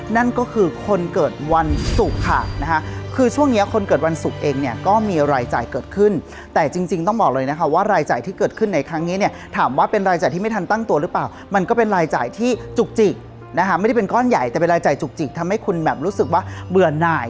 นั่นก็คือคนเกิดวันศุกร์ค่ะนะคะคือช่วงนี้คนเกิดวันศุกร์เองเนี่ยก็มีรายจ่ายเกิดขึ้นแต่จริงต้องบอกเลยนะคะว่ารายจ่ายที่เกิดขึ้นในครั้งนี้เนี่ยถามว่าเป็นรายจ่ายที่ไม่ทันตั้งตัวหรือเปล่ามันก็เป็นรายจ่ายที่จุกจิกนะคะไม่ได้เป็นก้อนใหญ่แต่เป็นรายจ่ายจุกจิกทำให้คุณแบบรู้สึกว่าเบื่อหน่าย